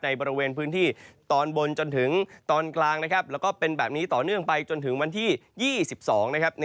บริเวณพื้นที่ตอนบนจนถึงตอนกลางนะครับแล้วก็เป็นแบบนี้ต่อเนื่องไปจนถึงวันที่๒๒นะครับ